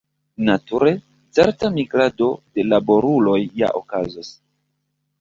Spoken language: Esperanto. Nature, certa migrado de laboruloj ja okazos.